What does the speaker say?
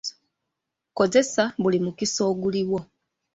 Kozesa buli mukisa oguliwo.